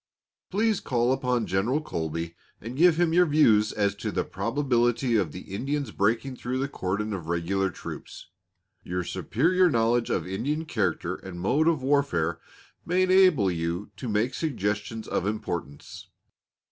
Please call upon General Colby, and give him your views as to the probability of the Indians breaking through the cordon of regular troops; your superior knowledge of Indian character and mode of warfare, may enable you to make suggestions of importance.